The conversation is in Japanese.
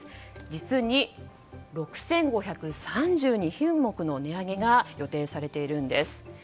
実に６５３２品目の値上げが予定されているんです。